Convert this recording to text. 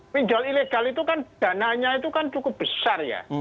pinjol ilegal itu kan dananya itu kan cukup besar ya